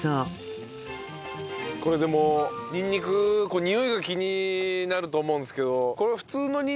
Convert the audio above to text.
これでもにんにくにおいが気になると思うんですけど。